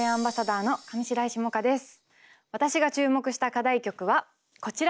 私が注目した課題曲はこちら。